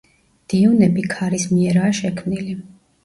დიუნები ქარის მიერაა შექმნილი.